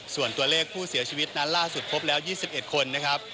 ส่วนตัวเลขผู้เสียชีวิตนั้นล่าสุดพบแล้ว๒๑คนนะครับ